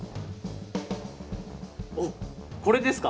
おっこれですか？